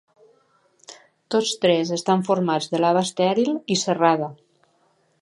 Tots tres estan formats de lava estèril i serrada.